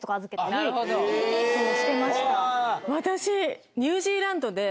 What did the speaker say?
私。